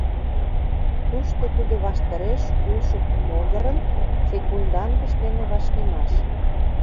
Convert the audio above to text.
Тушто тудо ваштареш улшо могырын секундандышт дене вашлийшаш.